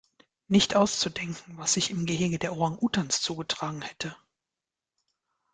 Nicht auszudenken, was sich im Gehege der Orang-Utans zugetragen hätte!